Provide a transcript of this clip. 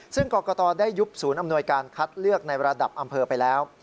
ซึ่งกรกตได้ยุบศูนย์อำนวยการคัดเลือกในระดับอำเภอไปแล้ว